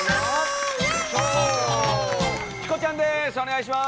チコちゃんです！